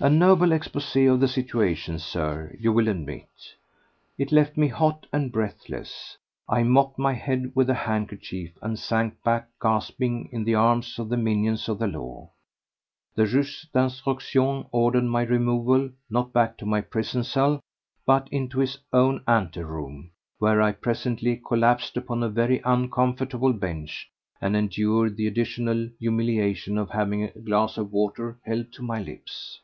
A noble expose of the situation, Sir, you will admit. It left me hot and breathless. I mopped my head with a handkerchief and sank back, gasping, in the arms of the minions of the law. The juge d'instruction ordered my removal, not back to my prison cell but into his own ante room, where I presently collapsed upon a very uncomfortable bench and endured the additional humiliation of having a glass of water held to my lips.